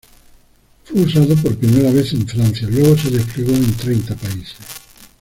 Fue usado por primera vez en Francia, luego se desplegó en treinta países.